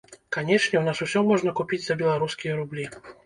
Канешне, у нас усё можна купіць за беларускія рублі.